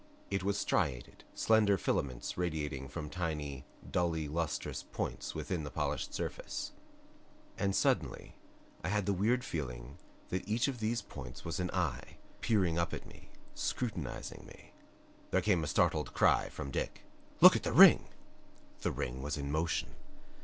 It was striated slender filaments radiating from tiny, dully lustrous points within the polished surface. And suddenly I had the weird feeling that each of these points was an eye, peering up at me, scrutinizing me. There came a startled cry from Dick. "Look at the ring!" The ring was in motion!